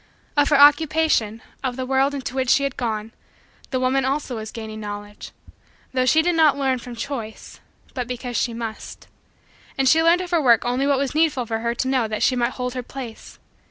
Of her Occupation of the world into which she had gone the woman also was gaining Knowledge. Though, she did not learn from choice but because she must. And she learned of her work only what was needful for her to know that she might hold her place.